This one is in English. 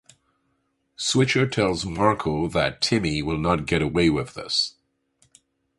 Switcher tells Marco that Timmy will not get away with this.